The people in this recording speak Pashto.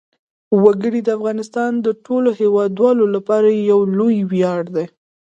وګړي د افغانستان د ټولو هیوادوالو لپاره یو لوی ویاړ دی.